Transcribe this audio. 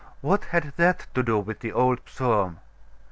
What had that to do with the old psalm?